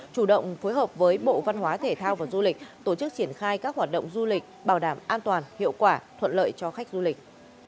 chủ động phối hợp với bộ văn hóa thể thao và du lịch tổ chức triển khai các hoạt động du lịch bảo đảm an toàn hiệu quả thuận lợi cho khách du lịch